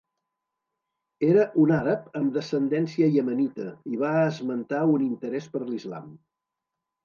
Era un àrab amb descendència iemenita i va esmentar un interès per l'Islam.